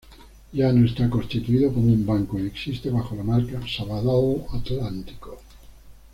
Ya no está constituido como un banco y existe bajo la marca "Sabadell Atlántico".